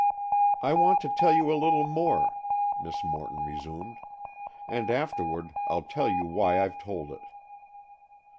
"I want to tell you a little more," Miss Morton resumed, "and afterward I'll tell you why I've told it.